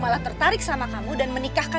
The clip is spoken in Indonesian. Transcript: malah tertarik sama kamu dan menikahkan